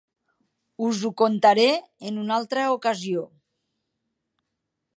Us ho contaré en una altra ocasió.